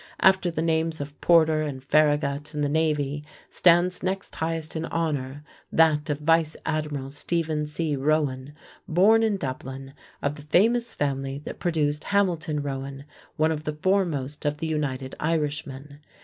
After the names of Porter and Farragut in the Navy stands next highest in honor that of Vice Admiral Stephen C. Rowan, born in Dublin, of the famous family that produced Hamilton Rowan, one of the foremost of the United Irishmen.